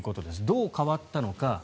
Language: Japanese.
どう変わったのか。